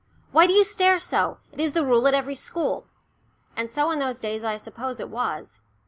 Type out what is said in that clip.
"Why do you stare so? It is the rule at every school," and so in those days I suppose it was.